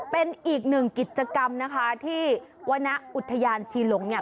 เป็นอีกหนึ่งกิจกรรมนะคะที่วรรณอุทยานชีหลงเนี่ย